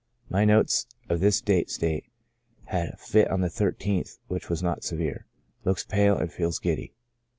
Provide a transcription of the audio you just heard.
My notes of this date state :" Had a fit on the 13th, which was not severe ; looks pale and feels giddy."